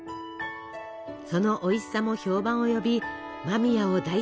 そのおいしさも評判を呼び間宮を代表するお菓子に。